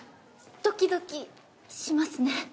ドキドキしますね。